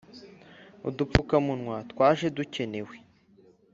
Udufukamunwa twaje dukenewe